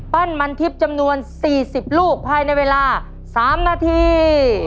มันทิพย์จำนวน๔๐ลูกภายในเวลา๓นาที